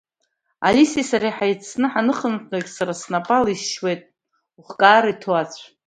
Алиаси сареи ҳаицны ҳанаахынҳәлак, сара снапала исшьуеит ухкаара иҭоу ацә…